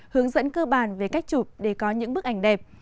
hướng dẫn cơ bản về cách chụp để có những bức ảnh đẹp